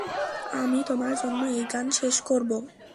আমি তোমার জন্য এই গান শেষ করবো।